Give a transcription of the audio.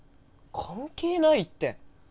関係ないって。